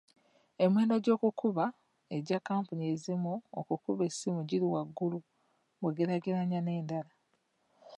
Emiwendo gy'okukubaegya kampuni ezimu okukuba essimu giri waggulu bw'ogeraageranya n'endala.